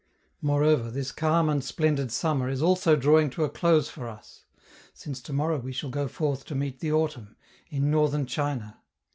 Moreover, this calm and splendid summer is also drawing to a close for us since to morrow we shall go forth to meet the autumn, in Northern China.